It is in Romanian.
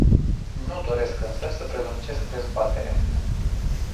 Nu doresc însă să prelungesc dezbaterea.